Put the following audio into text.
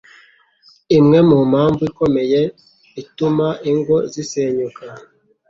Imwe mu mpamvu ikomeye itumaingo zisenyuka